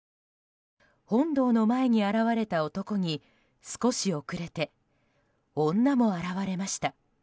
本堂の前に現れた男に少し遅れて女も現れました。